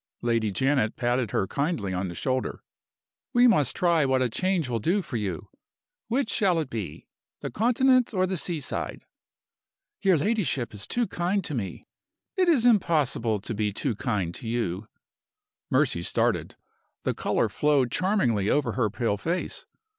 Lady Janet patted her kindly on the shoulder. "We must try what a change will do for you. Which shall it be? the Continent or the sea side?" "Your ladyship is too kind to me." "It is impossible to be too kind to you." Mercy started. The color flowed charmingly over her pale face.